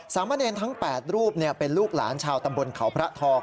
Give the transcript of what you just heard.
มะเนรทั้ง๘รูปเป็นลูกหลานชาวตำบลเขาพระทอง